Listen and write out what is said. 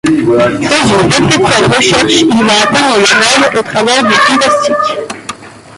Dans une perpétuelle recherche, il va atteindre le rêve au travers du fantastique.